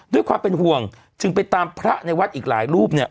ด้วยความเป็นห่วงจึงไปตามพระในวัดอีกหลายรูปเนี่ย